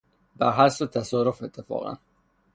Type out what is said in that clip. برحسب تصادف، اتفاقا